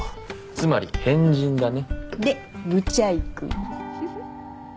つまり変人だねでブチャイクふふっ